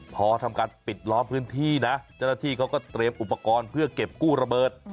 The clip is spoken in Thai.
พอทำการปิดล้อมพื้นที่นะเจ้าหน้าที่เขาก็เตรียมอุปกรณ์เพื่อเก็บกู้ระเบิด